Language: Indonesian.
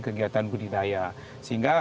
kegiatan budidaya sehingga